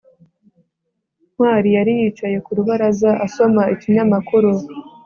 ntwali yari yicaye ku rubaraza, asoma ikinyamakuru